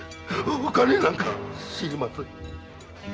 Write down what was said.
お金なんか知りません！